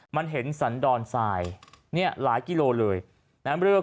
มันเห็นสันดอนสายหลายกิโลเมตรเลย